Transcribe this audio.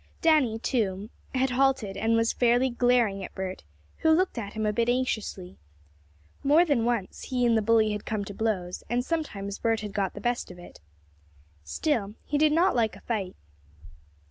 Danny, too, had halted and was fairly glaring at Bert, who looked at him a bit anxiously. More than once he and the bully had come to blows, and sometimes Bert had gotten the best of it. Still he did not like a fight.